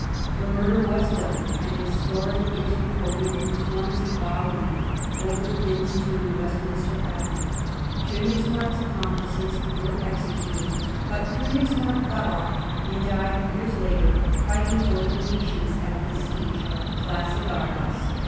The murder was done, and its story is recorded in clumsy bas relief over Thynne's tomb in Westminster Abbey. Konigsmark's accomplices were executed, but Konigsmark got off and died years later, fighting for the Venetians at the siege of classic Argos.